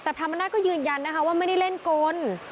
แต่พระมนาศก็ยืนยันนะคะว่าไม่ได้เล่นกล